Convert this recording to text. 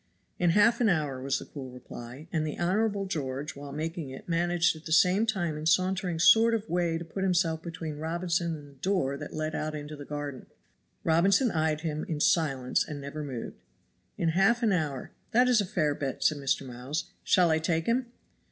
"In half an hour," was the cool reply. And the Honorable George while making it managed at the same time in a sauntering sort of way to put himself between Robinson and the door that led out into the garden. Robinson eyed him in silence and never moved. "In half a hour. That is a fair bet," said Mr. Miles. "Shall I take him?"